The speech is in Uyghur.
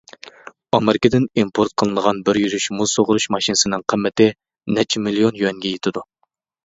ئامېرىكىدىن ئىمپورت قىلىنغان بىر يۈرۈش مۇز سۇغىرىش ماشىنىسىنىڭ قىممىتى نەچچە مىليون يۈەنگە يېتىدۇ.